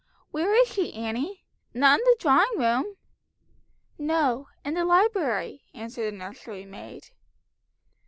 "Where is she, Annie? Not in the drawing room?" "No, in the library," answered the nursery maid.